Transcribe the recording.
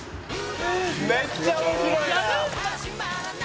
「めっちゃ面白いな」